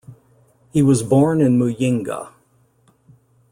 He was born in Muyinga.